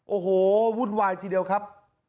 โอ้โหวุ่นวายทีเดียวครับ